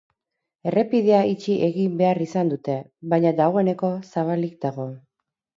Errepidea itxi egin behar izan dute, baina dagoeneko zabalik dago.